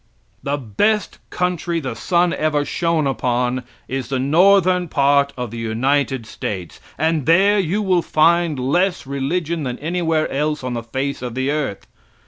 The best country the sun ever shown upon is the northern part of the United States, and there you will find less religion than anywhere else on the face of the earth.